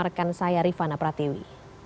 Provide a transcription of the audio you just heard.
rekan saya rifana pratewi